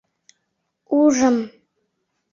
— Ужым...